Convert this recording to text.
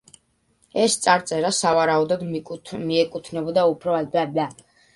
ეს წარწერა, სავარაუდოდ, მიეკუთვნებოდა უფრო ადრინდელ მეჩეთის შენობას, რომელიც ამ ადგილას იდგა.